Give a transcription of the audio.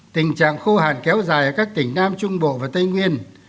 tình trạng khô hạn kéo dài ở các tỉnh nam trung bộ và tây nguyên